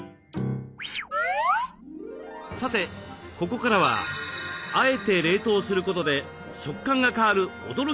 さてここからは「あえて冷凍」することで食感が変わる驚きのレシピをご紹介。